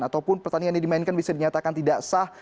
ataupun pertandingan yang dimainkan bisa dinyatakan tidak sah